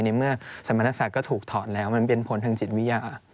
ในเมื่อสมณศักดิ์ก็ถูกถอดแล้วมันเป็นผลทางจิตวิทยา